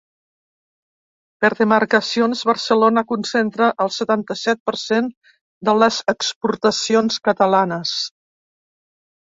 Per demarcacions, Barcelona concentra el setanta-set per cent de les exportacions catalanes.